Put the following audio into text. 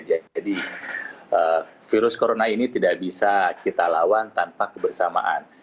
jadi virus corona ini tidak bisa kita lawan tanpa kebersamaan